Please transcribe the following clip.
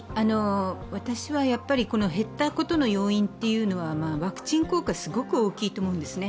私は減ったことの要因というのはワクチン効果すごく大きいと思うんですね。